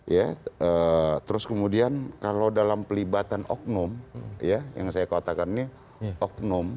ya terus kemudian kalau dalam pelibatan oknum ya yang saya katakan ini oknum